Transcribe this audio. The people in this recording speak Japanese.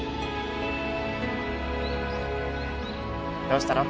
どうしたの？